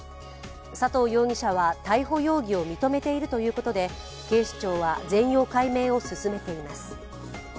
佐藤容疑者は逮捕容疑を認めているということで警視庁は全容解明を進めています。